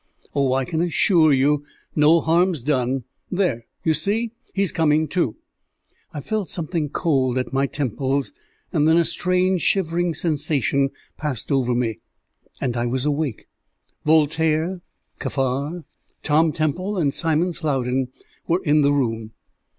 "Oh, I can assure you no harm's done. There, you see, he's coming to." I felt something cold at my temples, then a strange shivering sensation passed over me, and I was awake. Voltaire, Kaffar, Tom Temple, and Simon Slowden were in the room.